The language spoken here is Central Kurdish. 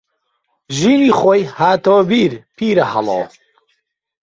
ژینی خۆی هاتەوە بیر پیرەهەڵۆ